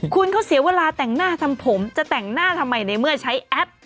คุณเขาเสียเวลาแต่งหน้าทำผมจะแต่งหน้าทำไมในเมื่อใช้แอป